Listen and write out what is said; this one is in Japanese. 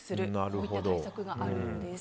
こういった対策があるそうです。